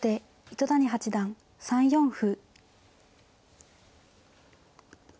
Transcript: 糸谷八段３四歩。